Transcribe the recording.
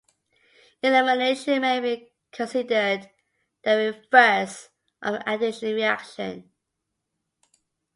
Elimination may be considered the reverse of an addition reaction.